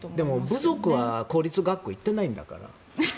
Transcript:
部族は公立学校行っていないんだから。